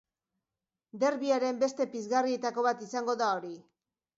Derbiaren beste pizgarrietako bat izango da hori.